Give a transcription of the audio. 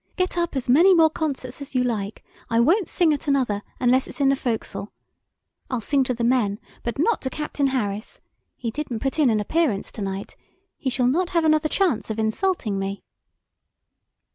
Get up as many more concerts as you like. I won't sing at another unless it's in the fo'c'sle. I'll sing to the men, but not to Captain Harris. He didn't put in an appearance tonight. He shall not have another chance of insulting me."